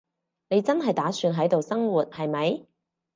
你真係打算喺度生活，係咪？